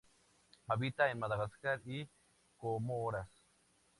Habita en Madagascar y Comoras.